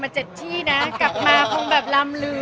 แค่วันอายุปก็คุมที่นะกลับมาก็แบบลำลืม